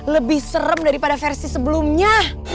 lebih serem daripada versi sebelumnya